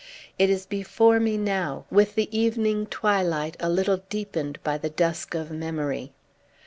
It is before me now, with the evening twilight a little deepened by the dusk of memory.